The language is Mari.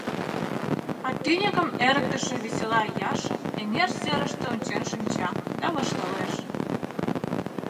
А тӱньыкым эрыктыше весела Яша эҥер серыште ончен шинча да воштылеш.